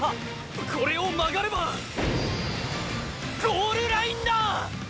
これを曲がればゴールラインだ！！